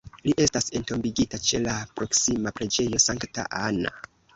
Li estas entombigita ĉe la proksima Preĝejo Sankta Anna.